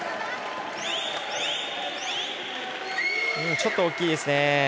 ちょっと大きいですね。